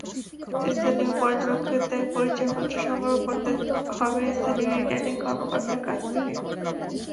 স্থানীয় পর্যবেক্ষকদের পরিচয়পত্র সংগ্রহ করতে হবে স্থানীয় রিটার্নিং কর্মকর্তার কাছ থেকে।